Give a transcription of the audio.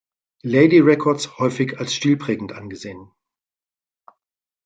Lady Records häufig als stilprägend angesehen.